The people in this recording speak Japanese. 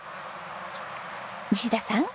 西田さん